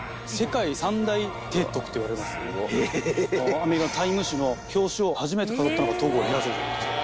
アメリカの『ＴＩＭＥ』誌の表紙を初めて飾ったのが東郷平八郎さんなんですよ。